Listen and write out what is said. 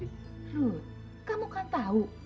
rut kamu kan tahu